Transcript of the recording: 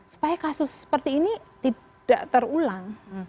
supaya kasus seperti ini tidak terulang